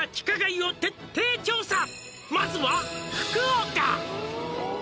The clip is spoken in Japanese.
「まずは福岡」